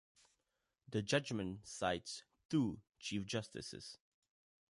The judgment cites "two" Chief Justices.